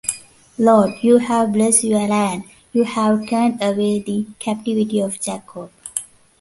Lord, you have blessed your land; you have turned away the captivity of Jacob.